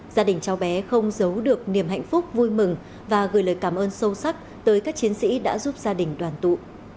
gia đình cháu bé không giấu được niềm hạnh phúc vui mừng và gửi lời cảm ơn sâu sắc tới các chiến sĩ đã giúp gia đình đoàn tụ